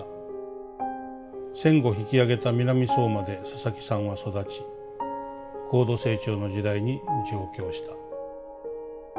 戦後引き揚げた南相馬で佐々木さんは育ち高度成長の時代に上京した。